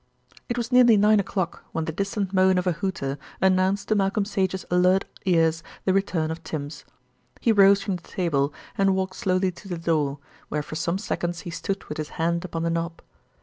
It was nearly nine o'clock when the distant moan of a hooter announced to Malcolm Sage's alert ears the return of Tims. He rose from the table and walked slowly to the door, where for some seconds he stood with his hand upon the knob.